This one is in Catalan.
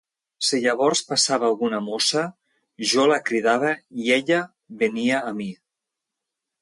Si llavors passava alguna mossa, jo la cridava i ella venia a mi.